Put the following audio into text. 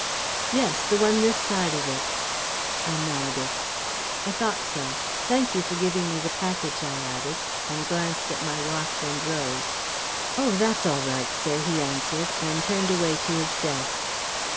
"Yes; the one this side of it." I nodded. "I thought so. Thank you for giving me the package," I added, and glanced at my watch and rose. "Oh, that's all right, sir," he answered, and turned away to his desk.